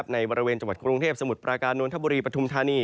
ในบริเวณจังหวัดกรุงเทพสมุทรปราการโนตบุรีปัททุมสมุทรธานี